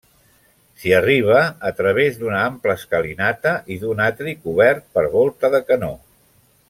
S'hi arriba a través d'una ampla escalinata i d'un atri cobert per volta de canó.